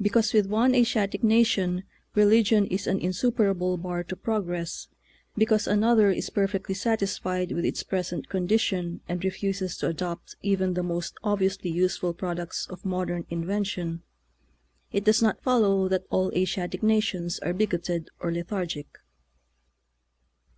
Because with one Asiatic nation religion is an insuperable bar to progress, because another is perfectly satisfied with its present condition and refuses to adopt even the most obviously useful products of modern invention, it does not follow that all Asiatic nations are bigoted or lethargic.